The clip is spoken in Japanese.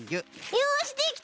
よしできた！